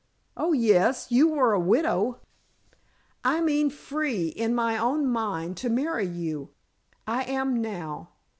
"Oh, yes; you were a widow." "I mean free, in my own mind, to marry you. I am now.